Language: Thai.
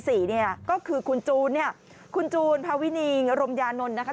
สี่เนี่ยก็คือคุณจูนเนี่ยคุณจูนภาวินีงรมยานนนะคะ